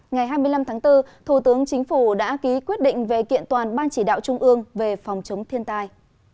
ngày hai mươi năm tháng bốn thủ tướng chính phủ đã ký quyết định về kiện toàn ban chỉ đạo trung ương về phòng chống thiên tai